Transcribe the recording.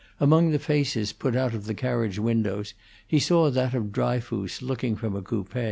Among the faces put out of the carriage windows he saw that of Dryfoos looking from a coupe.